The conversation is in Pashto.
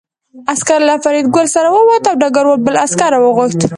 عسکر له فریدګل سره ووت او ډګروال بل عسکر راوغوښت